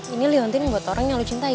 ini leontin buat orang yang lo cintai